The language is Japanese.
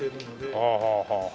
はあはあはあはあ。